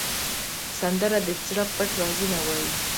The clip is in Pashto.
سندره د زړه پټ رازونه وایي